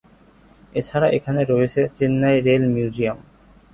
এছাড়া এখানে রয়েছে চেন্নাই রেল মিউজিয়াম।